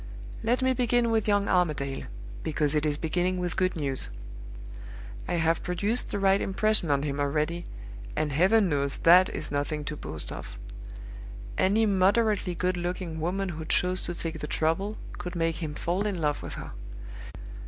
"Let me begin with young Armadale because it is beginning with good news. I have produced the right impression on him already, and Heaven knows that is nothing to boast of! Any moderately good looking woman who chose to take the trouble could make him fall in love with her.